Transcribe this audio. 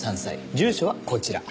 住所はこちら。